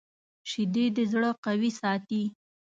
شیدې د زړه قوي ساتي